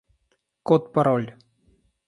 Код-пароль